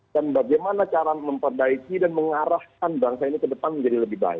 dan bagaimana cara memperbaiki dan mengarahkan bangsa ini ke depan menjadi lebih baik